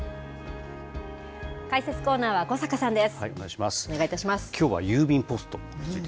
解説コーナーは小坂さんです。